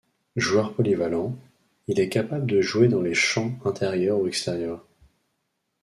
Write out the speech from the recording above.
Joueur polyvalent, il est capable de jouer dans les champs intérieur ou extérieur.